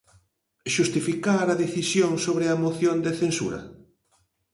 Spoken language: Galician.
Xustificar a decisión sobre a moción de censura?